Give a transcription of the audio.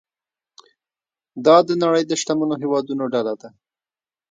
دا د نړۍ د شتمنو هیوادونو ډله ده.